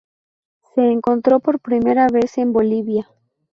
Se encontró por primera vez en Bolivia.